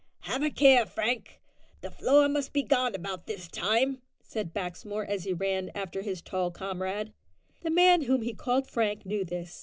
"Have a care, Frank; the floor must be about gone by this time," said Baxmore, as he ran after his tall comrade. The man whom he called Frank knew this.